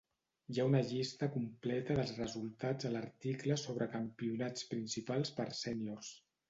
Hi ha una llista completa dels resultats a l'article sobre campionats principals per séniors.